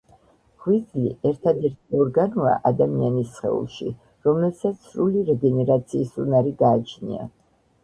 ღვიძლი ერთადერთი ორგანოა ადამიანის სხეულში, რომელსაც სრული რეგენერაციის უნარი გააჩნია.